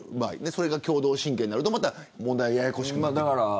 それが共同親権になると問題がややこしくなるよね。